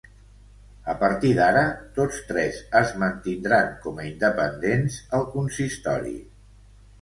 A partir d’ara tots tres es mantindran com a independents al consistori.